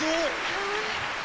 はい。